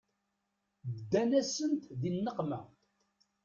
Ddan-asent di nneqma.